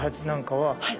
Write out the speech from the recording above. はい。